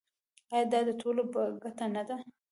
آیا دا د ټولو په ګټه نه ده؟